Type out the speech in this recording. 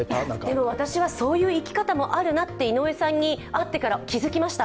でも私はそういう生き方もあるなって井上さんに会ってから分かりました。